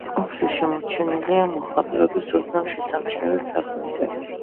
კონქზე შემორჩენილია მოხატულობის ოდნავ შესამჩნევი ფრაგმენტები.